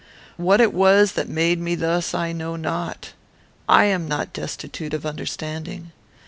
"What it was that made me thus, I know not. I am not destitute of understanding.